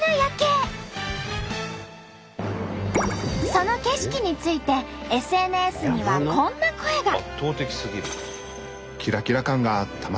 その景色についてＳＮＳにはこんな声が。